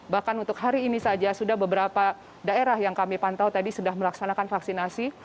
bahkan untuk hari ini saja sudah beberapa daerah yang kami pantau tadi sudah melaksanakan vaksinasi